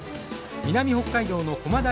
南北海道の駒大